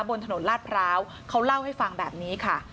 บนถนนลาดพร้าวเขาเล่าให้ฟังแบบนี้ค่ะ